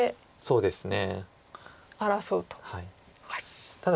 そうですね。